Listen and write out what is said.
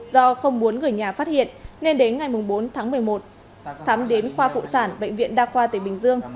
do không muốn người nhà phát hiện nên đến ngày bốn tháng một mươi một thắm đến khoa phụ sản bệnh viện đa khoa tỉnh bình dương